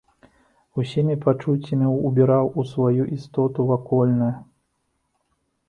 Усімі пачуццямі ўбіраў у сваю істоту вакольнае.